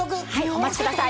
お待ちください。